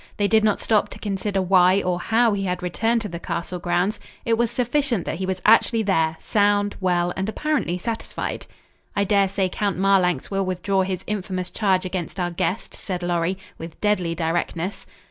They did not stop to consider why or how he had returned to the castle grounds. It was sufficient that he was actually there, sound, well, and apparently satisfied. "I dare say Count Marlanx will withdraw his infamous charge against our guest," said Lorry, with deadly directness.